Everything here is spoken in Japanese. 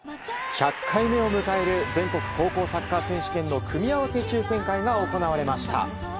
１００回目を迎える全国高校サッカー選手権の組み合わせ抽選会が行われました。